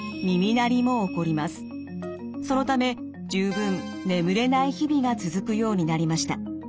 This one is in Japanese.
そのため十分眠れない日々が続くようになりました。